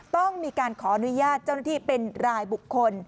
ต้องมีการขออนุญาตเจ้าหน้าที่เป็นรายบุคคล